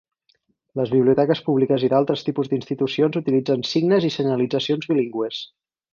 Les biblioteques públiques i d'altres tipus d'institucions utilitzen signes i senyalitzacions bilingües.